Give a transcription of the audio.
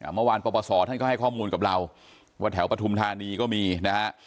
เมื่อวานปปศท่านก็ให้ข้อมูลกับเราว่าแถวปฐุมธานีก็มีนะฮะ